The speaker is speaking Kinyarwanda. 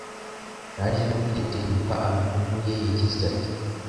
yaje no kwitirirwa Album ye yagize ati,